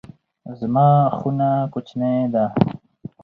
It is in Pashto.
زما خونه کوچنۍ ده